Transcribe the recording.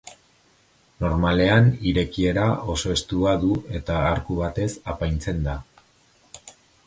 Normalean irekiera oso estua du eta arku batez apaintzen da.